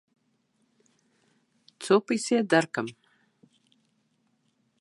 څو پیسې درکړم؟